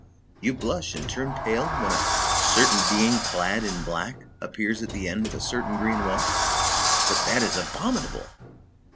You blush and turn pale, when a certain being clad in black appears at the end of a certain green walk? But that is abominable!"